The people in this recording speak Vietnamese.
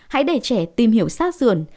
hãy để trẻ tìm hiểu sát dường